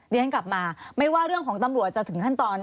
เรียนกลับมาไม่ว่าเรื่องของตำรวจจะถึงขั้นตอน